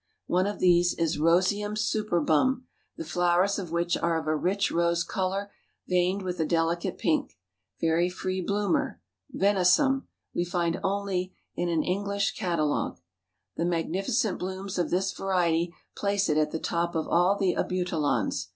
One of these is Roseum Superbum, the flowers of which are of a rich rose color, veined with a delicate pink. Very free bloomer. Venosum, we find only named in an English catalogue. "The magnificent blooms of this variety place it at the top of all the Abutilons.